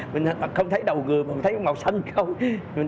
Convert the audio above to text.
mình không thấy đầu người mình thấy màu xanh không